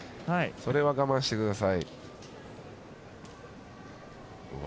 それは我慢しください。